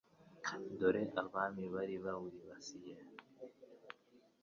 Dore abami bari bawibasiye